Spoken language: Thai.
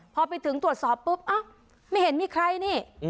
พอไปถึงตรวจสอบปุ๊บเอ้าไม่เห็นมีใครนี่